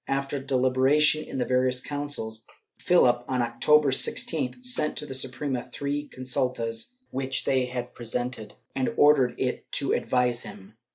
After deliberation in the various councils, Philip, on October 16th, sent to the Suprema three con sultas which they had presented and ordered it to advise him.